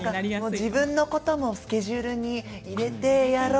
自分のこともスケジュールに入れてやろう。